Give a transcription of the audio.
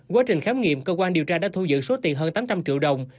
quá trình khám nghiệm cơ quan điều tra đã thu giữ số tiền hơn tám trăm linh triệu đồng